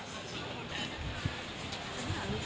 ไปถ่ายรูป